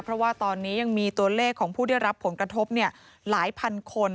เพราะว่าตอนนี้ยังมีตัวเลขของผู้ได้รับผลกระทบหลายพันคน